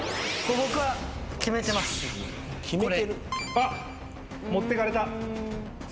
あっ持ってかれた。